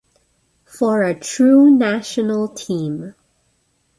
For a true National team!